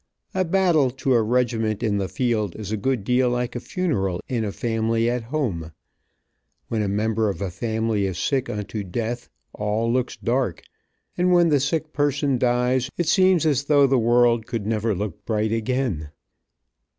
A battle to a regiment in the field is a good deal like a funeral in a family at home. When a member of a family is sick unto death, all looks dark, and when the sick person dies it seems as though the world could never look bright again.